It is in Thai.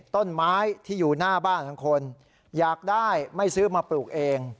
ต้นไม้ที่อยู่หน้าบ้านทั้งคนอยากได้ไม่ซื้อมาปลูกเอง